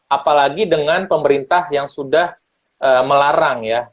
apalagi dengan pemerintah yang sudah melarang ya